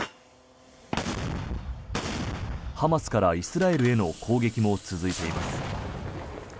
ハマスからイスラエルへの攻撃も続いています。